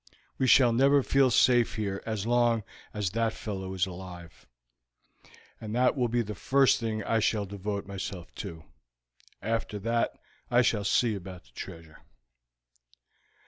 We shall never feel safe here as long as that fellow is alive, and that will be the first thing I shall devote myself to. After that I shall see about the treasure."